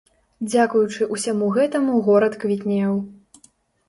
Дзякуючы ўсяму гэтаму горад квітнеў.